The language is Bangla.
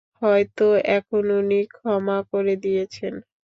হয়তো এখন উনি ক্ষমা করে দিয়েছেন।